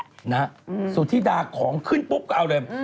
สุธิดาของขึ้นปุ๊บก็เอาเลย